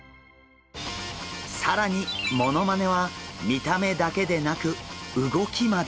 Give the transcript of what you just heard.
更にモノマネは見た目だけでなく動きまで。